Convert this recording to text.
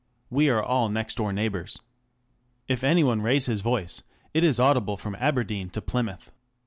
We are all next door neighbours. If any one raise his voice, it is audible from Aberdeen to Plymouth.